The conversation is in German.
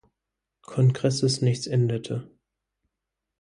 Kongresses nichts änderte.